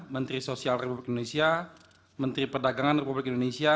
menteri sosial republik indonesia menteri perdagangan republik indonesia